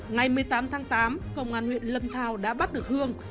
ngày một mươi tám tháng tám công an huyện lâm thao đã bắt được hương